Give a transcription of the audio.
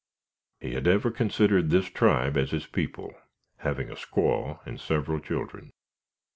He had ever considered this tribe as his people, having a squaw and several children.